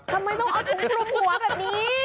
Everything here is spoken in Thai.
ทำไมต้องเอาถุงคลุมหัวแบบนี้